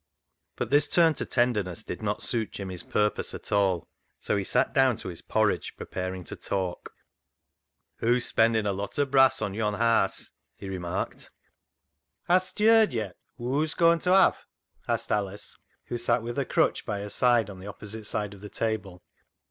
But this turn to tenderness did not suit Jimmy's pur pose at all, so he sat down to his porridge, preparing to talk. " Hoo's spending a lot o' brass o' yon haase," he remarked. " Hast yerd yet whoa hoo's goin' to have ?" asked Alice, who sat with her crutch by her side on the opposite side of the table.